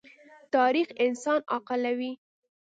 تاریخ انسان عاقلوي.